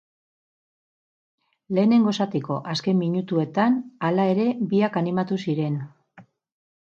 Lehenengo zatiko azken minutuetan, hala ere, biak animatu ziren.